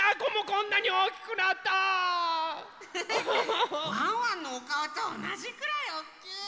ワンワンのおかおとおなじくらいおっきい。